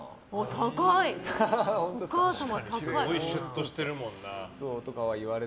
すごいシュッとしてるもんな。